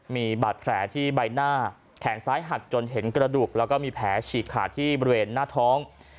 มีบาดแผลที่ใบหน้าแขนซ้ายหักจนเห็นกระดูกแล้วก็มีแผลฉีกขาดที่บริเวณหน้าท้อง